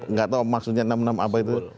nggak tahu maksudnya enam puluh enam apa itu